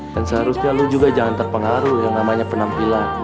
dan seharusnya kamu juga jangan terpengaruh dengan penampilan